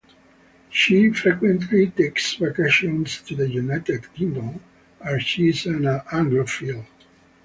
She frequently takes vacations to the United Kingdom, as she is an anglophile.